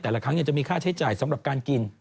แต่ละครั้งจะมีค่าใช้จ่ายสำหรับการกิน